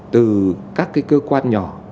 từ các cái cơ quan nhỏ